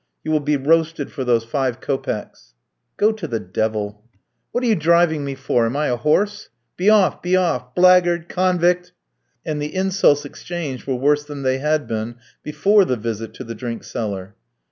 You will be roasted for those five kopecks." "Go to the devil." "What are you driving me for? Am I a horse?" "Be off, be off." "Blackguard!" "Convict!" And the insults exchanged were worse than they had been before the visit to the drink seller.